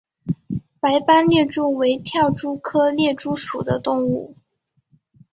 白斑猎蛛为跳蛛科猎蛛属的动物。